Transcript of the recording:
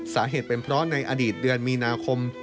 สาเหตุเป็นเพราะในอดีตเดือนมีนาคม